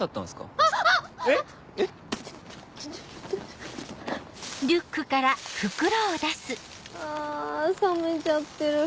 あ冷めちゃってる。